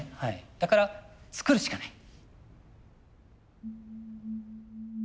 だから作るしかない。